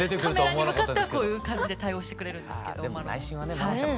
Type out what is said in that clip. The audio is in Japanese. カメラに向かってはこういう感じで対応してくれるんですけどマロンも。